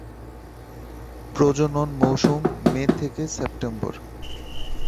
প্রজনন মৌসুম মে-সেপ্টেম্বর।